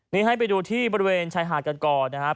นี่ให้ไปดูที่บริเวณชายหาดกันก่อนนะครับ